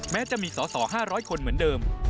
แม้จะมีสอสอ๕๐๐คนเหมือนเดิม